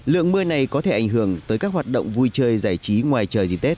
lượng mưa này có thể ảnh hưởng tới các hoạt động vui chơi giải trí ngoài trời dịp tết